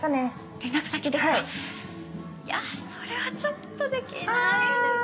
連絡先ですかいやそれはちょっとできないですね。